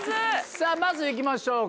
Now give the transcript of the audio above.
さぁまず行きましょうか。